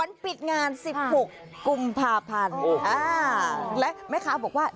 วันปิดงาน๑๐ปุกกุมภาพันธ์และแม่ค้าบอกว่า